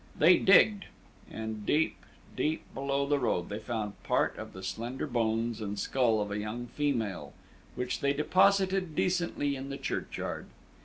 They digged, and deep, deep below the road they found part of the slender bones and skull of a young female, which they deposited decently in the church yard.